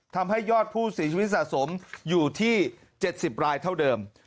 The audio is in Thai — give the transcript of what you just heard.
ทำให้ยอดผู้เสียชีวิตสะสมอยู่ที่๗๐รายเท่าเดิม